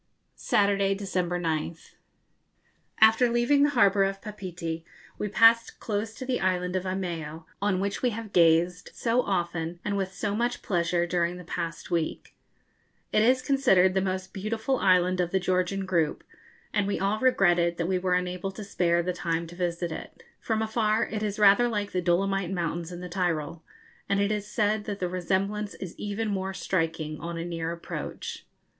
_ Saturday, December 9th. After leaving the harbour of Papeete we passed close to the island of Eimeo, on which we have gazed so often and with so much pleasure during the past week. It is considered the most beautiful island of the Georgian group, and we all regretted that we were unable to spare the time to visit it. From afar it is rather like the dolomite mountains in the Tyrol, and it is said that the resemblance is even more striking on a near approach.